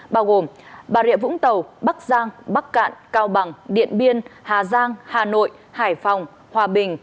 bao gồm bà rịa vũng tàu bắc giang bắc cạn cao bằng điện biên hà giang hà nội hải phòng hòa bình